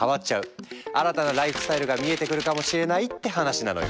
新たなライフスタイルが見えてくるかもしれないって話なのよ。